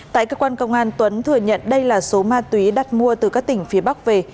tại cơ quan công an tuấn thừa nhận đây là số ma túy đặt mua từ các tỉnh phía bắc về